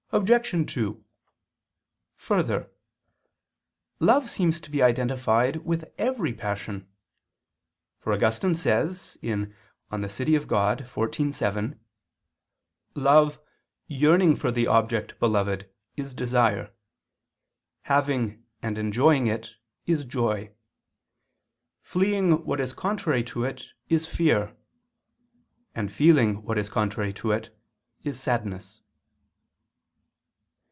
Obj. 2: Further, love seems to be identified with every passion: for Augustine says (De Civ. Dei xiv, 7): "Love, yearning for the object beloved, is desire; having and enjoying it, is joy; fleeing what is contrary to it, is fear; and feeling what is contrary to it, is sadness."